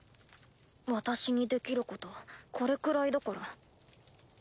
私にできることこれくらいだから。